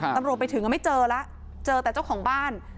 ตำรวจไปถึงไม่เจอแล้วเจอแต่เจ้าของบ้าน